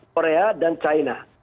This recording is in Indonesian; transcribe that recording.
korea dan china